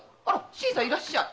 新さんいらっしゃい。